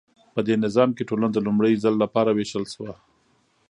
په دې نظام کې ټولنه د لومړي ځل لپاره ویشل شوه.